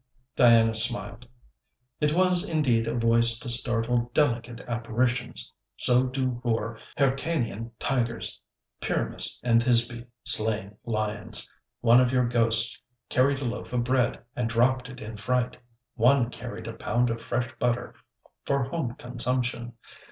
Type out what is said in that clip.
Diana smiled. 'It was indeed a voice to startle delicate apparitions! So do roar Hyrcanean tigers. Pyramus and Thisbe slaying lions! One of your ghosts carried a loaf of bread, and dropped it in fright; one carried a pound of fresh butter for home consumption.